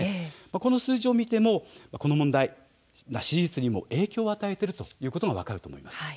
この数字を見ても、この問題支持率にも影響を与えているということが分かると思います。